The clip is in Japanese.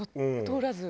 通らず。